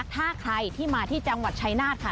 ถ้าใครที่มาที่จังหวัดชายนาฏค่ะ